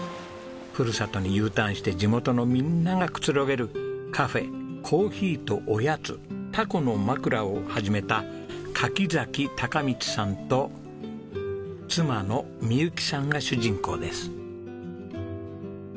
ふるさとにＵターンして地元のみんながくつろげるカフェ珈琲とおやつタコのまくらを始めた柿崎貴道さんと妻の未佑紀さんが主人公です。